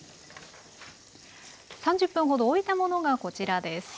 ３０分ほどおいたものがこちらです。